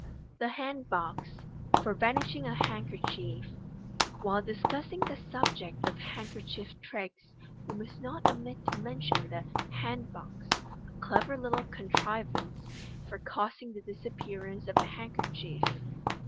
The Hand Box, for Vanishing a Handkerchief. — Whil discussing the subject of handkerchief tricks, we must not omit ti mention the "hand box," a clever little contrivance for causing the disappearance of a handkerchief.